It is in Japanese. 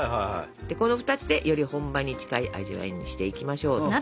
この２つでより本場に近い味わいにしていきましょう。